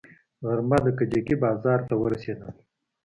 غرمه د کجکي بازار ته ورسېدم.